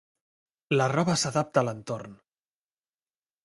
La roba s'adapta a l'entorn.